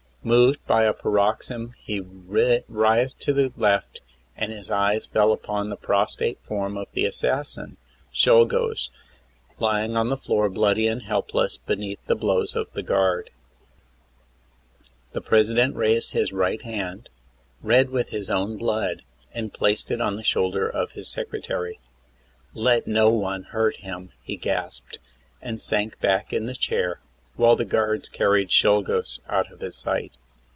Moved by a paroxysm he writhed to the left and then his eyes fell on the prostrate form of the assassin, Czolgosz, lying on the floor bloody and help less beneath the blows of the guard. 36 THE ASSASSINATION OF PRESIDENT McKINLEY. The President raised his right hand, red with his own blood, and placed it on the shoulder of his secretary. "Let no one hurt him," he gasped, and sank back in the chair, while the guards carried Czolgosz out of his sight.